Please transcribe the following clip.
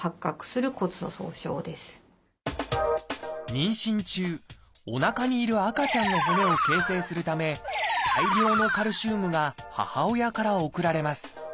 妊娠中おなかにいる赤ちゃんの骨を形成するため大量のカルシウムが母親から送られます。